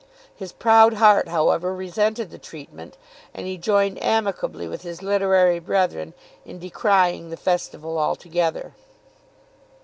His proud heart, however, resented the treatment, and he joined amicably with his literary brethren in decrying the festival altogether.